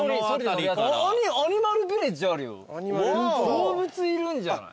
動物いるんじゃない？